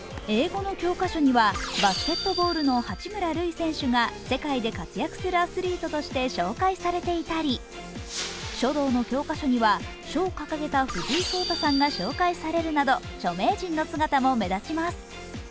英語の教科書には、バスケットボールの八村塁選手が世界で活躍するアスリートとして紹介されていたり書道の教科書には書を掲げた藤井聡太さんが紹介されるなど著名人の姿も目立ちます。